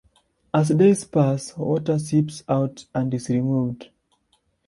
As days pass, water seeps out and is removed.